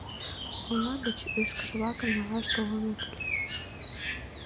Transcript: Ола гыч ӱшкыж-влакым налаш толыныт ыле.